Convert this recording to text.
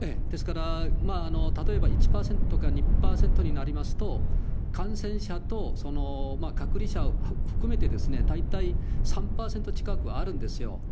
ですから、例えば１％か２％になりますと、感染者とその隔離者を含めて、大体３％近くあるんですよ。